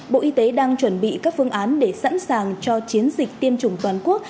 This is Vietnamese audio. bộ y tế đang chuẩn bị các phương án để sẵn sàng cho chiến dịch tiêm chủng toàn quốc